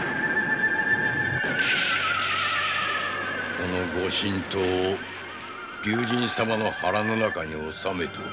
この御神刀を竜神様の腹の中に納めておけ。